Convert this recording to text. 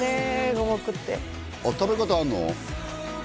五目ってあっ食べ方あるの？